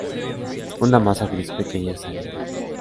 Una masa gris pequeña sale de ella.